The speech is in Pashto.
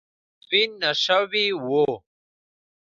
تدوین نه شوي وو.